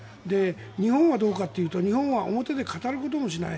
日本はどうかというと日本は表で語ることもしない。